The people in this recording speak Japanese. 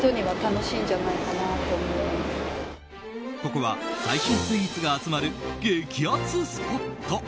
ここは最新スイーツが集まる激アツスポット。